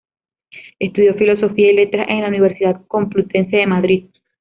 Estudió Filosofía y Letras en la Universidad Complutense de Madrid.